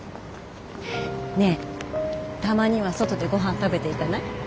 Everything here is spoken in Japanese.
ねえたまには外でごはん食べていかない？